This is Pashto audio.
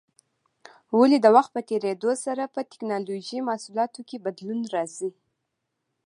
ولې د وخت په تېرېدو سره په ټېکنالوجۍ محصولاتو کې بدلون راځي؟